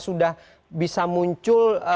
sudah bisa muncul